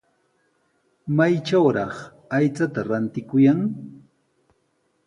¿Maytrawraq aychata rantikuyan?